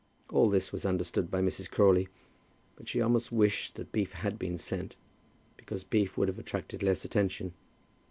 All this was understood by Mrs. Crawley, but she almost wished that beef had been sent, because beef would have attracted less attention.